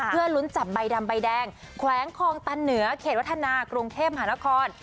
เพื่อลุ้นจับใบดำใบแดงแขวงคลองตันเหนือเขตวัฒนากรุงเทพหานคร